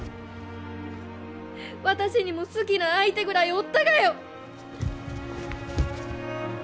私にも好きな相手ぐらいおったがよ！